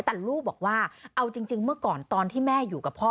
แต่ลูกบอกว่าเอาจริงเมื่อก่อนตอนที่แม่อยู่กับพ่อ